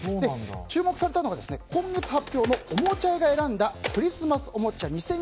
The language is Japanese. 注目されたのが今月発表のおもちゃ屋が選んだクリスマスおもちゃ２０２２